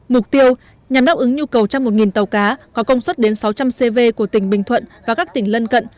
mục tiêu nhằm đáp ứng nhu cầu trăm một tàu cá có công suất đến sáu trăm linh cv của tỉnh bình thuận và các tỉnh lân cận